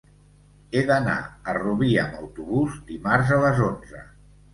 He d'anar a Rubí amb autobús dimarts a les onze.